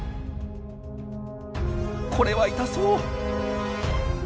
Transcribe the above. これは痛そう。